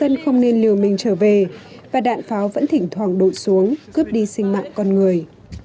người thân không nên lừa mình trở về và đạn pháo vẫn thỉnh thoảng đột xuống cướp đi sinh mạng con người